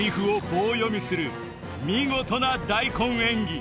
見事な大根演技